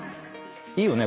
いいよね？